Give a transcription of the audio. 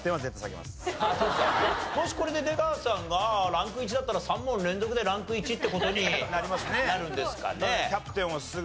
もしこれで出川さんがランク１だったら３問連続でランク１って事になるんですかね。